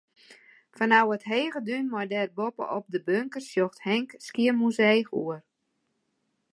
Fanôf it hege dún mei dêr boppe-op de bunker, sjocht Henk Skiermûntseach oer.